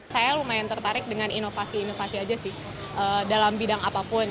saya lumayan tertarik dengan inovasi inovasi aja sih dalam bidang apapun